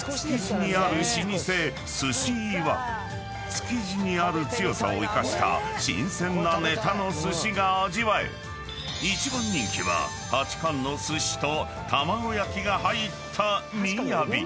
［築地にある強さを生かした新鮮なネタの寿司が味わえ一番人気は８貫の寿司と玉子焼きが入った］